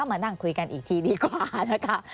มานั่งคุยกันอีกทีดีกว่านะคะ